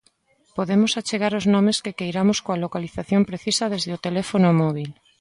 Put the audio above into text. Podemos achegar os nomes que queiramos coa localización precisa desde o teléfono móbil.